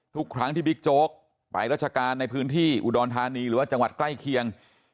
ทุกครั้งที่บิ๊กโจ๊กไปราชการในพื้นที่อุดรธานีหรือว่าจังหวัดใกล้เคียง